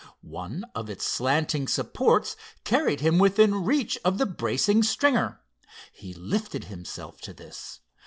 One of its slanting supports carried him within reach of the bracing stringer. He lifted himself to this.